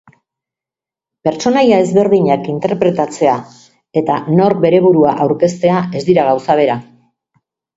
Pertsonaia ezberdinak interpretatzea eta nork bere burua aurkeztea ez dira gauza bera.